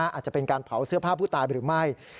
อาจจะเป็นการเผาเสื้อผ้าผู้ตายหรือไม่